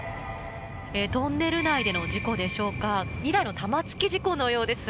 トンネル内での事故でしょうか２台の玉突き事故のようです。